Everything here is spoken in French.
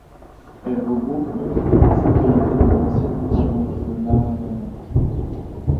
Elle regroupe onze municipalités de l'ancienne province de La Habana.